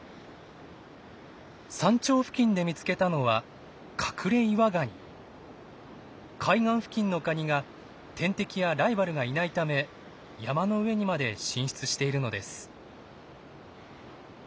山頂付近で見つけたのは海岸付近のカニが天敵やライバルがいないため山の上にまで進出しているのです。